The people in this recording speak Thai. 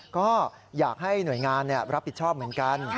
ก็อยากให้หน่วยงานรับผิดชอบเหมือนกัน